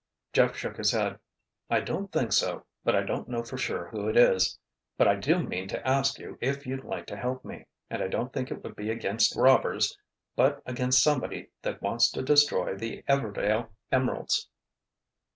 Jeff shook his head. "I don't think so—but I don't know for sure who it is. But I do mean to ask you if you'd like to help me, and I don't think it would be against robbers but against somebody that wants to destroy the Everdail Emeralds."